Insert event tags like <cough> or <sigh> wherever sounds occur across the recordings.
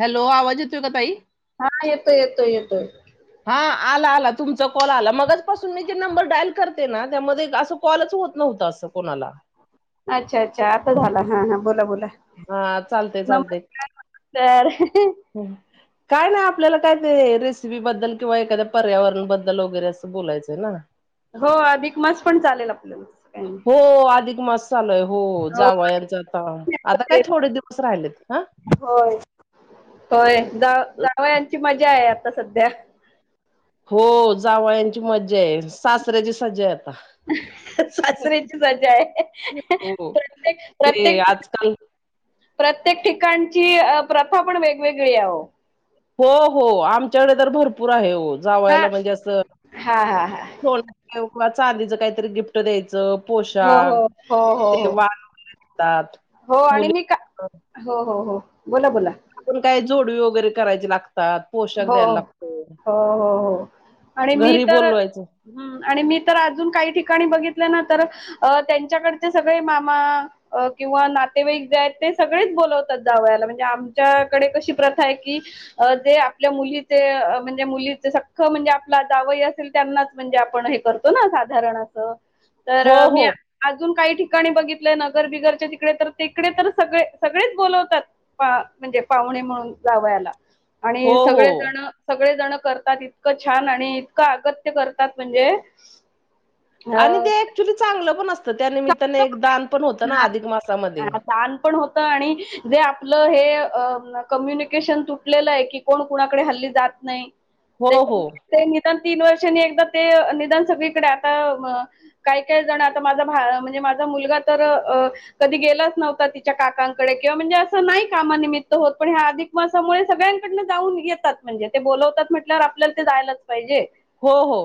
Hello आवाज येतोय का ताई हा येतोय येतोय येतोय हा आला आला तुमचा कॉल आला मगच मी जे नंबर डायल करते ना त्यामध्ये असं कॉलच होत नव्हत अस कोणाला अच्छा अच्छा आता झाला हा हा बोला बोला हा चालते चालते नमस्कार नमस्कार ह काय नाही आपल्याला काय ते रेसिपी बद्दल किंवा एखाद्या पर्यावरण बद्दल वगैरे असं बोलायचंय ना हो अधिक मास पण चालेल आपलं काही नाही हो आधिक मास चालूय हो जाव यांचं आता आता काय थोडे दिवस राहिलेत हा होय होय जा जाव यांची मजा आहे आता सध्या हो जावळंची मज्जा आहे सासऱ्याची सजा आहे आता सासरीची सजा आहे हो प्रत्येक ते प्रत्येक आजकाल प्रत्येक ठिकाणची प्रथा पण वेगवेगळी आहे हो हो आमच्यांकडे तरं भरूपूंर आहे हो हा जावांयलां म्हणजे असं हा हा हा लोकंवा चांदीचं कांहीतरी गिफ्टं द्यायचं हो पोशांख हो हो हो ते हो वां दांत हो आणि मी कां हो हो हो बोलां बोलां आपणं कायं जोडवी वगैरें करायंची लागतांत हो हो हो हो आणि मी घरी तरं बोलवायचं. हम्मं आणि मी तरं अजूंन कांहीं ठिकाणीं बघितले नां तरं अं त्यांच्यांकडचे सगळें मामा अं किंवा नातेवाईक जे आहेतं ते सगळेचं बोलवतांत जावांयाला म्हणजे आमच्यांकडे कशी प्रथा आहे की अं ते आं आपल्यां मुलीचे म्हणजे मुलीचे सख्खे म्हणजे आपलां जावई असेलं त्यांनांचं म्हणजे आपणं हे करतो करतों नां साधांरण असं हो तरं हो, मी अजूंन कांहीं ठिकाणीं बघितलंय नगर बिगरच्यां तिकडे तरं तिकडे तरं सगळें सगळेचं बोलवतांत पां म्हणजे पाहुणे म्हणूंन लावांयला हो आणि हो. सगळें जणं करतांत इतकं छांन आणि इतकं अगत्यं करतांत म्हणजे आणि अ, ते ऍक्च्युली चांगलं पणं असतं त्यानिमित्ताने एक दानं पणं होतं ना हां. अधिक मासांमध्यें हां, ताण होतं आणि जे आपलं हे कम्युनिकेशन तुटलेलं आहे की कोणं कुणांकडे हल्ली जातं नाहीं हो हो, त्यांच्या ते निदांन तीनं वर्षांनी एकदां ते निदांन सगळीकडे आतां कायं कायं जणं माझां म्हणजे माझां मुलंगा तरं अ कधीं गेलंच नव्हतं तिच्यां काकांकडे किंवा म्हणजे असं नाहीं कामानिमित्यां होतं पणं ह्यां आधी उपासांमुळें सगळ्यांकडन जाऊंन येतांत म्हणजे ते बोलवतांत म्हटल्यांवर आपल्यांला ते जायलाचं पाहिजे हो हो.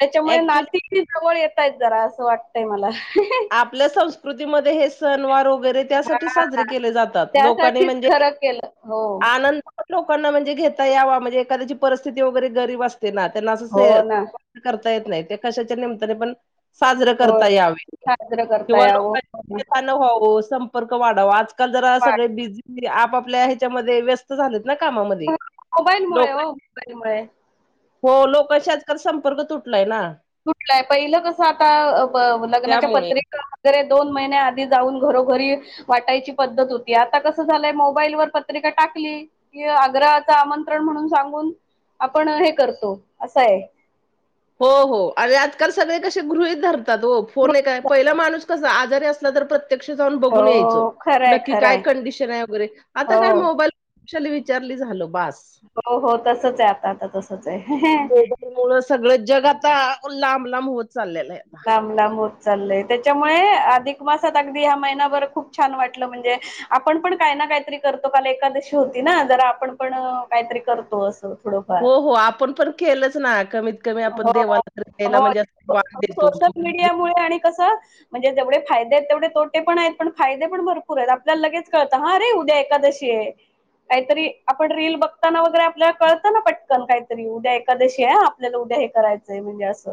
त्यांच्यामुळे ऍक्च्युली नाती जवळं येतायं जरां असं वाटतंय मलां आपल्यां संस्कृतींमध्ये हे सणंवार वगैरें त्यांसाठी साजरे हां केले जातांत लोकांनी त्यासाठीच म्हणजे खरं केलं. हो, आनंद लोकांना म्हणजे घेतां यांवा म्हणजे एखाद्यांची परिस्थिती वगैरें गरीब असते नां त्यांनां हो असं ना. करतां येतं नाहीं ते कशाच्यां निमित्ताने पणं साजरं होय. करतां यांवे साजरं करतां किंवा लोकांथान व्हावं संपर्क वाढावं आजकांल जरां वाट सगळें बिझी आंप आपल्यां त्यांच्यामध्ये व्यस्तं व्यस्तं झालंत नां कामांमध्यें मोबाईलमुळे हो लोकं मोबाईलमुळे. हो लोकांशी आजकांल संपर्क तुटलांय नां तुटलांय पहिलं कसं आतां लग्नांच्या त्यामुळे पत्रिकां दोन महिन्यां आधी जाऊंन घरोघरी वाटायंची पद्धतं होती आतां कसं झालंय मोबाईलवरं पत्रिकां टांकली कि आग्रहांचा आमंत्रण म्हणूंन सांगून आपणं हे करतो असं आहे हो हो आणि आजकांल सगळें कसे गृहितं धरतांत फोन कायं पहिलां माणूंस कसां आजारी असलां तर रिप्र्यक्षा जाऊंन बघूंन यांयचो हो खरंय, नक्की कायं खरंय. कंडिशन आहे वगैरें आतां काय हो. मोबाईल कुशांली विचांरली झालं बसं हो हो तसंच आहे आतां आतां तसंच आहे त्यांमुळं सगळं जगं आतां लांब लांब होतं चाललेलं आहे आतां लांबलांब होतं चाललंय त्यांच्यामुळे अधिक मासांत अगदी हं महिनाभर खूंप छांन वाटलं म्हणजे आपणं पणं कांहीं नां कांहीतरी करतो कांल एकादशी होती नां जरां आपणं पणं कांहीतरी करतो असं हो थोडंफार हो आपणं पणं केलंच नां कमीतं कमी कमी आपणं हो देवालांयला म्हणजे असं वां देतो पुढे आणि कसं म्हणजे जेवळे फायदे आहेतं तेवढे तोटे पणं आहेतं पणं फाये पणं भरंपूर आहेत आपल्यांला लगेचं कळतं हां नाहीं उद्या एकादशी ते हं कांहीतरी आपणं रील बघतांना वगैरें आपल्यांला कळतं नां पटंकन कांहीतरी उद्या एकादशीला आहे आपल्याला उद्या हे करायचंय म्हणजे असं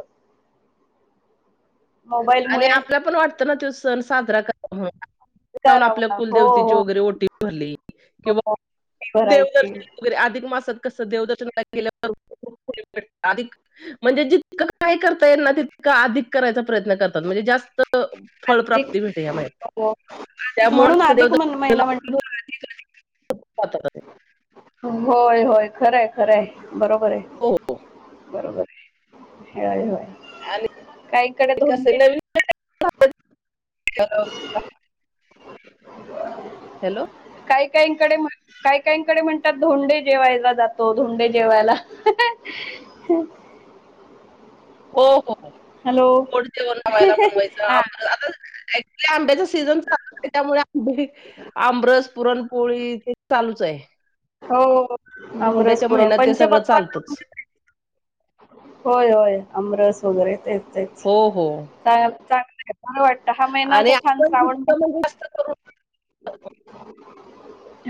मोबाईल आणि मुळे आपल्या पण वाटतं ना तो सण साजरा करा. जाऊन आपल्या करावा हो कुलदेवतेची वगैरे ओटी भरली हो किंवा हो फी भरायची देवदर्शन. वगैरे अधिक मासात कस देवदर्शनाला गेल्यावर अधिक म्हणजे जितकं काय करता येल ना तितकं अधिक करायचा प्रयत्न करतात म्हणजे जास्त फळ अधिक प्राप्ती भेटे या मह्यात हो अधिक म्हणून त्यामुळे अधिक म्हण दे महिना म्हणतात ना अधिक प <unintelligible> होय होय खरंय खरंय बरोबर हो आहे हो बरोबर आहे. हय होय आणि काहीकडे कसं आहे, <unintelligible> <unintelligible> हॅलो काही काहीकडे काही काहीकडे म्हणतात धोंडे जेवायला जातो धोंडे जेवायला. हो हो हॅलो गोड जेवन वाहायला बनवायचं हा आम आता ऍक्च्युली आंब्याच सीझन चालू आहे त्यामुळे आंबे आमरस पुरणपोळी ते चालूच आहे. हो अमरस पुरण पंचपक्वान. आतच होय होय अमरस वगैरे तेच तेच हो हो चांगलंला वाट. दहा महिना आणि असा छान आपण श्रावण जितकं महिना म्हणजे जास्त करून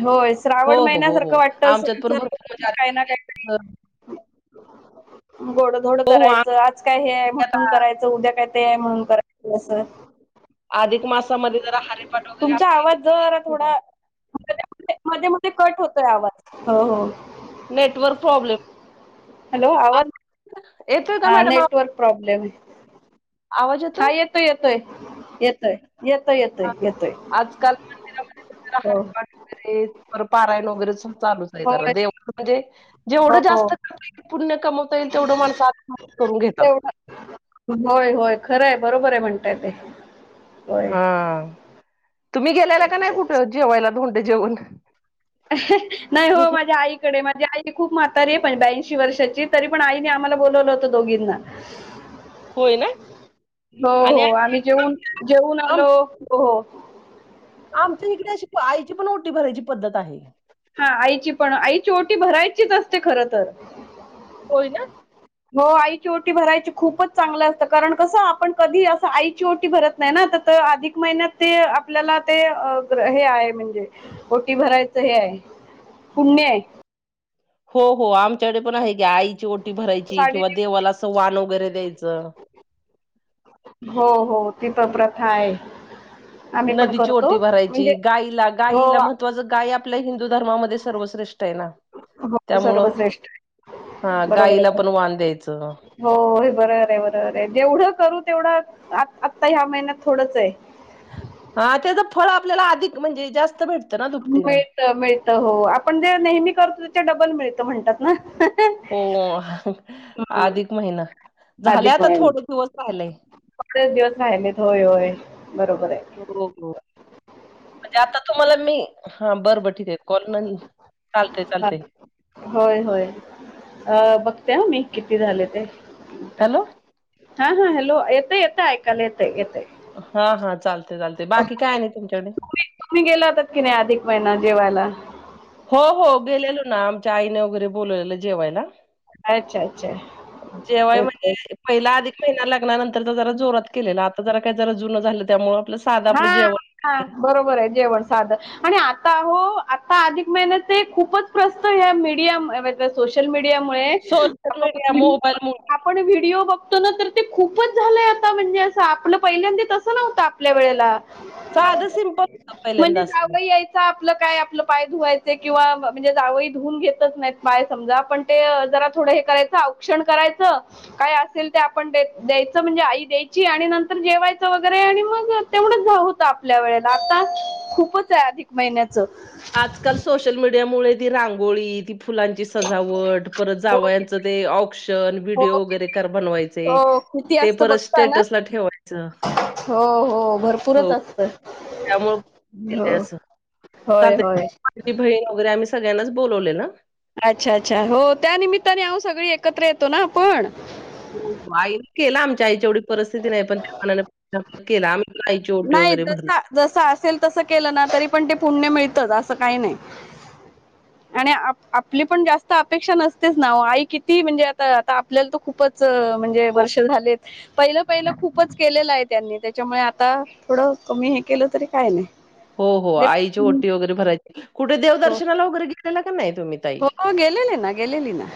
होय हो, श्रावण हो, हो, महिन्यासारखं वाटत अस काय ना काय हा गोडधोड हो, हो. करायचं आमच्या आज काय हे आहे इथे म्हणून आता करायचं उद्या काय ते आहे म्हणून करायचं असं. अधिक मासामध्ये जरा हारीपाट वगैरे तुमचा आमच्या आवाज जरा इथे थोडा मध्ये मध्ये कट होतोय आवाज हो हो. Network problem. हॅलो आ येतोय का हा मॅडम आव नेटवर्क प्रॉब्लेम आहे. आवाज येतोय. हा येतोय येतोय येतोय. येतोय येतोय हा येतोय आजकाल मंदिरामध्ये कोठ हो हारिपाठ वगैरे पारायण वगैरेच चालूच आहे होय देऊ म्हणजे हो जेवढं जास्त हो करता येईल पुण्य कमवता येईल तेवढं माणसं आ करून घेतात. तेवढं होय होय खरं आहे बरोबर आहे म्हणताय ते. होय हा तुम्ही गेल्याला का तेच नाही तेच कुठं जेवायला धोंडे जेवण. नाही हो माझ्या आईकडे माझी आई खूप म्हातारी आहे पण ब्याऐंशी वर्षाची आहे. तरी पण आईने आम्हाला बोलावलं होत दोघींना. होय ना हो आणि हो आम्ही आजकाल जेऊन आमच्या जेऊन आम आलो हो हो आमच्या इकडे अशी आईची पण ओटी भरायची पद्धत आहे. हा आईची पण आईची ओटी भरायचीच असते खर तर. होय ना हो आईची ओटी भरायची खूपच चांगलं असतं कारण कसं आपण कधी असं आईची ओटी भरत नाही ना आ तर अधिक महिन्यात ते आपल्याला ते हे आहे म्हणजे ऊटी भरायचं हे आहे पुण्य आहे हो हो आमच्याकडे पण आहे क्या आईची ओटी भरायची साडी किंवा नेस- देवाला असं वाण वगैरे द्यायचं. हो हो तिथं प्रथा आहे. आम्ही पण नदीची ओटी करतो भरायची म्हणजे गायला गायीला हो. म त्वाच गाय आुपल्या हिंदू धर्मामध्ये सर्वश्रेष्ठ आहे ना हो त्यामुळं सर्वश्रेष्ठ आहे. हा बरोबर आहे गाईला पण बरोबर वान आहे. द्यायचं हो होय बरोबर आहे बरोबर आहे. जेवढं करू तेवढं आता ह्या महिन्यात थोडंच आहे. हा त्याच फळ आपल्याला अधिक म्हणजे जास्त भेटत मिळत मिळत हो आपण जे नेहमी करतो त्या डबल मिळत म्हणतात ना हो हा अधिक महिना झालयं अधिक आता महिना थोडे दिवस राहिलेय. थोडेच दिवस राहिलेत होय होय बरोबर हाय. हो हो म्हणजे आता तुम्हाला मी हा बरं बर ठीक हे. कोर नन चालतयं हा चालतय. होय होय अ बघते आ मी किती झाले ते. हॅलो. हा हा हॅलो येतयं येतय आईकायला येतय येतयं. हा हा चालतयं चालतय बाकी काय आणि तुमच्याकड तुम्ही गेला होतात की नाही अधिक महिना जेवायला. हो हो गेलेलो ना आमच्या आईने वगैरे बोलवलेलं जेवायला. अच्छा अच्छा जेव्हाय तेच तेच. म्हणजे पहिला अधिक महिना लग्नानंतर जरा जोरात केलेला आता जरा काही जरा जुनं झालं त्यामुळ आपलं साधं हा आपलं जेवण हा बरोबर आहे जेवण साधं आणि आता हो आता अधिक महिन्याचे ते खूपच प्रस्त ह मीडियम सोशल मडिया मुळे सोशल मीडिया मोबाईल मुळे आपण व्हिडिओ बघतो ना तर ते खूपच झालंय आता म्हणजे असं आपलं पहिल्यांदा तसं नव्हत आपल्या वेळेला साधं सिम्पल होतं म्हणजे पहिल्यांदा असं जावयं यांय आपलं काय आपलं पाय धुवायचे किंवा म्हणजे जावयं धुवून घेतच नाहीत पाय समजा पण ते जरा थोडं हे करायचं औक्षण करायचं काय असेल ते आपण द्यायचं म्हणजे आई द्यायची आणि नंतर जेवायचं वगैरे आणि मग तेवढंच जा होतं आपल्या वेळेला आता खूपच आहे अधिक महिन्याचं. आजकाल सोशल मीडियामुळे ती रांगोळी ती फुलांची सजावट परत हो जावयाच ते औक्षण हो व्हडिओ वगैरे कर बनवायचे. हो किती ते असतं परत बघता ना स्टेटस ला ठेवायचं. हो हो भरपूरच असं त्यामुळ केलंय असं. होय होय. बारीक बहीण वगैरे आम्ही सगळ्यांनाच बोलवलेल. अच्छा अच्छा हो त्यानमित्ताने आवो सगळी एकत्र येतो ना आपण. हो आई केला आमच्या आईच्या एवढी परिस्थिती नाही पण त्या मनाने केला आम् नाही जस जस असेल तसं केलं ना तरी पण ते पुण्य मिळत असं काही नाही. आणि आपली पण जास्त अपेक्षा नसतेच ना वो आई किती म्हणजे आता आपल्याला तर खूपच म्हणजे हो वर्ष झालेत पहिलं पहिलं खूप खूपच केलेलं आहे त्यांनी त्याच्यामुळे आता थोडं कमी हे केलं तरी काय नाही. हो हो ते आईची ओटी वगैरे भरायची कुठे हो देवदर्शनाला वगैरे गेलेला का नाही तुम्ही. ताई? हो गेलेली ना गेलेली ना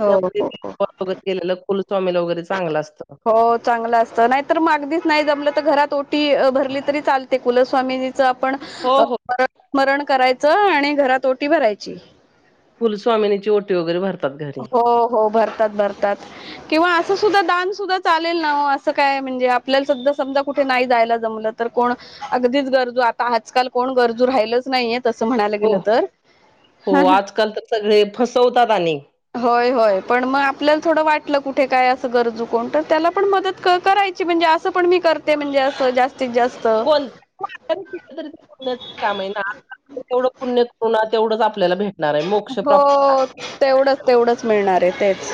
हो हो हो. सोबत गेलेलं कुलस्वामिला वगैरे चांगलं असतं. हो चांगलं असतं नाहीतर मग अगदीच नाही जमलं तर घरात ओटी भरली तरी चालते कुलस्वामी आपण हो हो स्मरण करायचं आणि घरात ओटी भरायची. कुलस्वामिनीची वोटी वगैरे भरत हो हो भरतात भरतात. किंवा असं सुद्धा दान सुद्धा चालेल ना वो असं काय म्हणजे आपल्याला सद्धा समजा कुठे नाही जायला जमलंत. तर कोण अगदीच गरजू आता आजकाल कोण गरजू राहिलच नाही येत. तसं म्हणायला हो गेलं तर ह हो ह आजकाल तर सगळे फसवतात आणि होय होय पण मग आपल्याला थोडं वाटलं कुठे काय असं गरजू कोण तर त्याला पण मदत करायच अस पण मी करते म्हणजे असं जास्तीत जास्त. का आहेढं पुण्य कर तेवढंच आपल्याला भेट हो तेवढंच तेवढंच मिळणार आहे तेच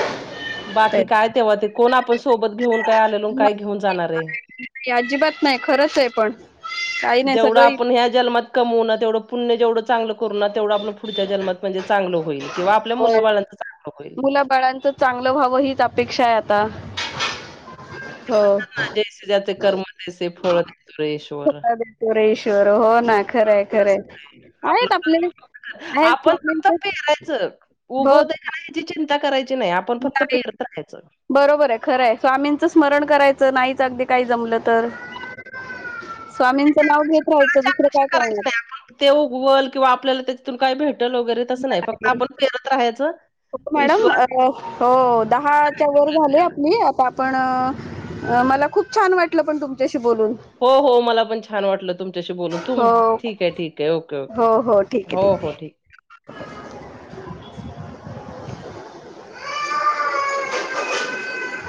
बाकी तेच काय तेव्हा ते कोण आपण सोबत घेऊन काय आलेलो काय घेऊन जाणार आहे नाही अजिबात नाही खरंच आहे पण काही नाही जेवढं सगळं इ- आपण ह्या जनमात कमव ना तेवढं पुण्य जेवढं चांगलं करू ना तेवढं आपण पुढच्या जनमात म्हणजे चांगलं होईल किंवा आपल्या मुलाळंचं चांगलं होईल फळांचं चांगलं व्हावं हीच अपेक्षा आहे आता ते हो. म्हणतात ना जैसे ज्याचे कर्म दैसे फळ देतो रेश्वर पुरेश्वर हो ना खरंय खरंय आपलं आहेत आपले कर्म फक्त आहेत आपण फक्त स्वामींच पेरायचं हो उगवत का नाही ह्याची चिंता करायची नाही आपण फक्त नाही पेरता राहायचं बरोबर आहे खरंय स्वामींचं स्मरण करायचं नाहीच अगदी काही जमलं तर स्वामींचं नाव घेत राहायचं दुसरं काय करायच करणार नाही आपण ते उवल किंवा आपल्याला त्याच्यातून काय भेटल वगैरे तस नाही फक्त आपण फेरत राहायचं हो मॅडम श्वर हो दहाच्या वर झाले आपली आता आपण अ मला खूप छान वाटलं पण तुमच्याशी बोलून हो हो मला पण छान वाटलं तुमच्याशी बोलून त हो ठीक आहे ठीक आहे ओके हो ओके हो ठीक आहे ठीक आहे